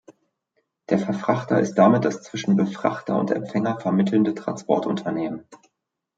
Der Verfrachter ist damit das zwischen Befrachter und Empfänger vermittelnde Transportunternehmen.